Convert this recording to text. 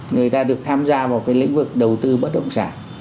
người ta được tham gia vào cái lĩnh vực đầu tư bất động sản